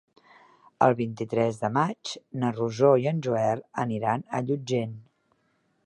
El vint-i-tres de maig na Rosó i en Joel aniran a Llutxent.